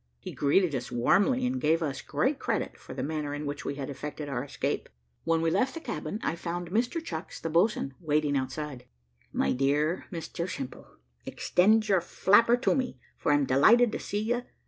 He greeted us warmly, and gave us great credit for the manner in which we had effected our escape. When we left the cabin, I found Mr Chucks, the boatswain, waiting outside. "My dear Mr Simple, extend your flapper to me, for I'm delighted to see you.